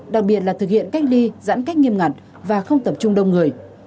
đặc biệt là thực hiện cách ly giãn cách nghiêm ngặt và không tập trung đông người